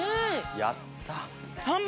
やったー！